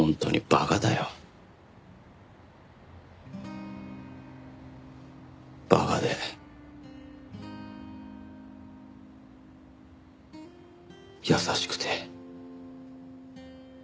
馬鹿で優しくて。